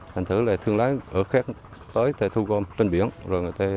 thành thử là thương lái ở khác tới ta thu gom trên biển rồi người ta về